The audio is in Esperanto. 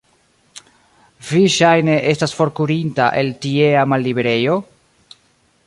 Vi, ŝajne, estas forkurinta el tiea malliberejo?